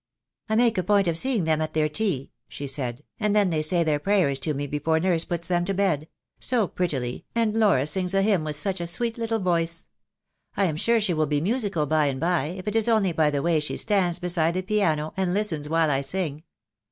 "I make a point of seeing them at their tea," she said; "and then they say their prayers to me before nurse puts them to bed — so prettily, and Laura sings a hymn with such a sweet little voice. I am sure she will be musical by and by, if it is only by the way she stands beside the piano and listens while I sing.